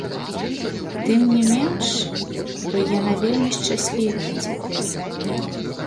Тым не менш, яна вельмі шчаслівая цяпер.